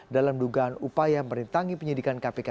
dalam dugaan upaya merintangi penyidikan kpk